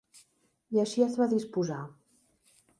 I així es va disposar.